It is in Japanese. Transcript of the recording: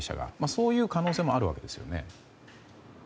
そういう可能性もあるわけですよね。